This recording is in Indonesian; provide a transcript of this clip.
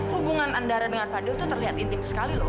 hubungan andara dengan fadil tuh terlihat intim sekali loh